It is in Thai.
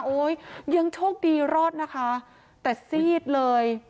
ยังโชคดีรอดนะคะแต่ซีดเลย